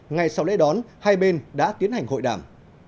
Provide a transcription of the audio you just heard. ngay sau lễ đón hai bên đã tiến hành hội đàm